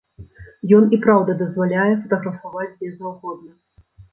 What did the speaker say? Ён і праўда дазваляе фатаграфаваць дзе заўгодна.